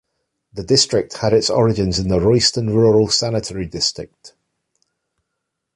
The district had its origins in the Royston Rural Sanitary District.